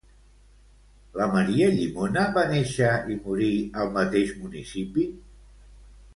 La Maria Llimona va néixer i morir al mateix municipi?